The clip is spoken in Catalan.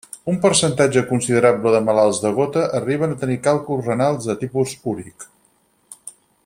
Un percentatge considerable de malalts de gota arriben a tenir càlculs renals de tipus úric.